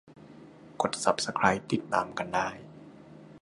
กดซับสไครบ์ติดตามกันได้